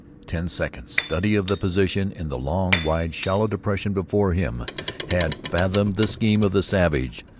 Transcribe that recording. Ten seconds' study of the position in the long, wide, shallow depression before him had fathomed the scheme of the savage.